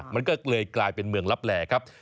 มันก็เลยกลายเป็นเมืองลับแหล่ครับ